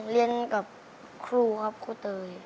เรียนกับครูครับครูเตย